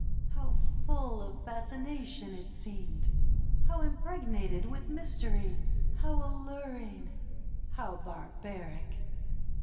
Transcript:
How full of fascination it seemed ! How im.pregnated with mystery ! How allur ing! How barbaric!